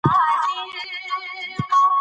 هغه ځان د کتابونو جادوګر بولي.